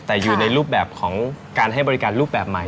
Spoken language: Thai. แต่อยู่ในรูปแบบของการให้บริการรูปแบบใหม่